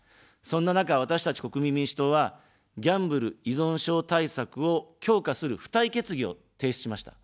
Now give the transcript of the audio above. そんな中、私たち国民民主党は、ギャンブル依存症対策を強化する付帯決議を提出しました。